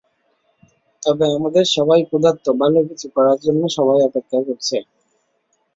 তবে আমাদের সবাই ক্ষুধার্ত, ভালো কিছু করার জন্য সবাই অপেক্ষা করছে।